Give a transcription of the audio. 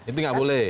itu nggak boleh